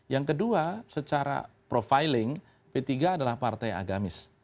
yang kedua secara profiling p tiga adalah partai agamis